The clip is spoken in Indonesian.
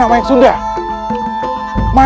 mampusnya akan macam ini